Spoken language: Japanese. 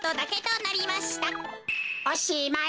おしまい。